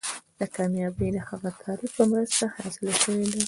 دا کامیابي د هغه تعریف په مرسته حاصله شوې ده.